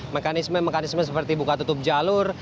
mekanisme mekanisme seperti buka tutup jalur